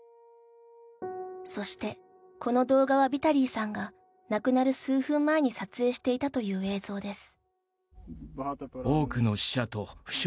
そして、この動画はヴィタリーさんが亡くなる数分前に撮影していたという映像です。